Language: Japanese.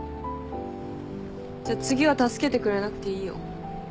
じゃあ次は助けてくれなくていいよ。